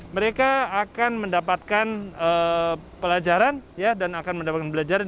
mereka akan mendapatkan pelajaran dan akan mendapatkan pelajaran